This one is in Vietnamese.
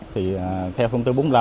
theo phương tư bốn mươi năm